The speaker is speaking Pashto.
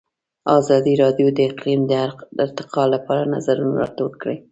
ازادي راډیو د اقلیم د ارتقا لپاره نظرونه راټول کړي.